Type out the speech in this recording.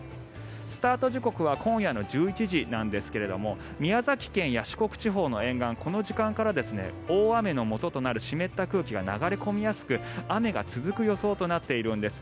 スタート時刻は今夜の１１時なんですが宮崎県や四国地方の沿岸この時間から大雨のもととなる湿った空気が流れ込みやすく雨が続く予想となっているんです。